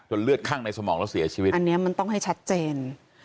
เลือดข้างในสมองแล้วเสียชีวิตอันนี้มันต้องให้ชัดเจน